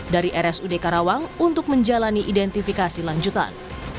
dari rsud karawang untuk menjalani identifikasi lanjutan